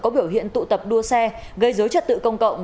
có biểu hiện tụ tập đua xe gây dối trật tự công cộng